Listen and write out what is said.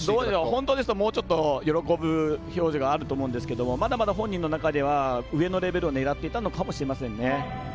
本当ですともうちょっと喜ぶ表情があると思うんですけどまだまだ本人の中では上のレベルを狙っていたのかもしれませんね。